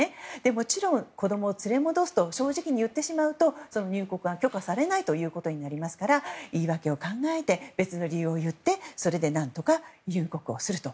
もちろん、子供を連れ戻すと正直に言ってしまうと入国が許可されないですから言い訳を考えて別の理由を言ってそれで何とか入国すると。